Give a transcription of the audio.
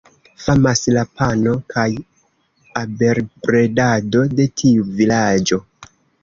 Famas la pano kaj abelbredado de tiu vilaĝo.